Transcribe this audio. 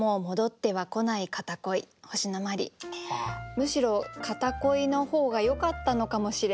むしろ片恋の方がよかったのかもしれない。